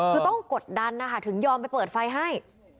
เขาต้องกดดันถึงยอมไปเปิดไฟให้